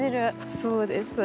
そうです。